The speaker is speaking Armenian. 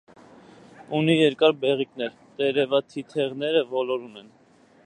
Ունի երկար բեղիկներ, տերևաթիթեղները ոլորուն են։